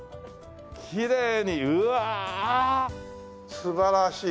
きれいにうわあ！素晴らしい。